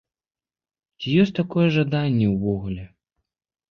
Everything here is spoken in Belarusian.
Ці ёсць такое жаданне ўвогуле?